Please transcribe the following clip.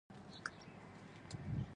ښه چلند او د ډله ایز کار روحیه ولرو.